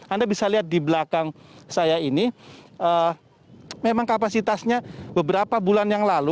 anda bisa lihat di belakang saya ini memang kapasitasnya beberapa bulan yang lalu